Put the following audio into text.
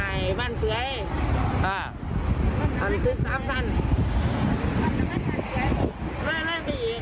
อันนั้นก็ครบ๓เปรยุทธิ์